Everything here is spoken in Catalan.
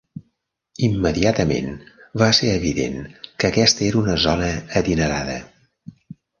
Immediatament va ser evident que aquesta era una zona adinerada.